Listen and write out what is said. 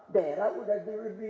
daerah sudah di